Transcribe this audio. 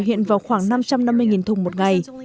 hiện vào khoảng năm trăm năm mươi thùng một ngày